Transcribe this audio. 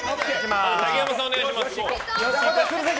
竹山さん、お願いします。